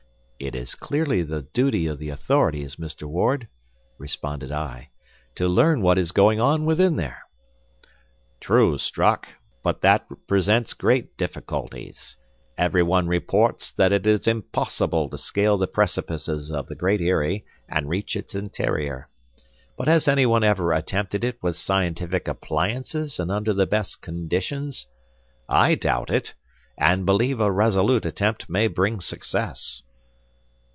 "It is clearly the duty of the authorities, Mr. Ward," responded I, "to learn what is going on within there." "True, Strock; but that presents great difficulties. Everyone reports that it is impossible to scale the precipices of the Great Eyrie and reach its interior. But has anyone ever attempted it with scientific appliances and under the best conditions? I doubt it, and believe a resolute attempt may bring success."